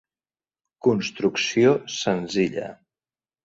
Construcció senzilla.